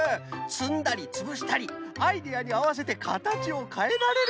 つんだりつぶしたりアイデアにあわせてかたちをかえられる。